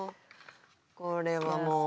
これはもう。